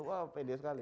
wah pede sekali